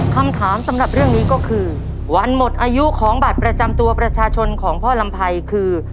คำถามสำหรับเรื่องนี้ก็คือวันหมดอายุของบัตรประจำตัวประชาชนของพ่อลำไพรคือ